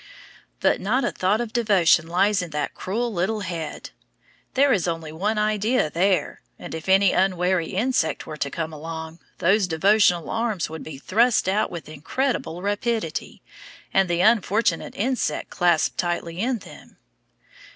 But not a thought of devotion lies in that cruel little head. There is only one idea there; and if any unwary insect were to come along, those devotional arms would be thrust out with incredible rapidity, and the unfortunate insect clasped tightly in them.